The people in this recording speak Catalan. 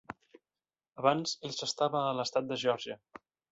Abans, ell s'estava a l'estat de Geòrgia.